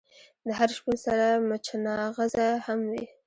د هر شپون سره مچناغزه هم وی.